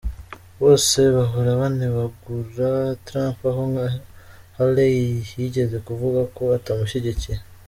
Bose bahora banebagura Trump, aho nka Haley yigeze kuvuga ko “atamushigikiye”.